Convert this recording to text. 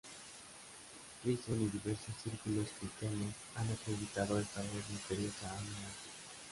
Jason y diversos círculos cristianos han acreditado esta voz misteriosa a un ángel.